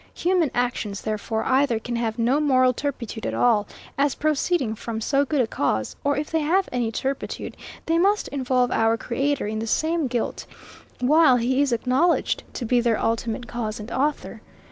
Human actions, therefore, either can have no moral turpitude at all, as proceeding from so good a cause; or if they have any turpitude, they must involve our Creator in the same guilt, while he is acknowledged to be their ultimate cause and author.